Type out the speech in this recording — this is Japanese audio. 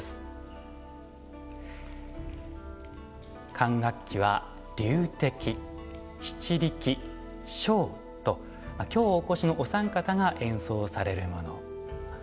管楽器は龍笛篳篥笙と今日お越しのお三方が演奏されるもの。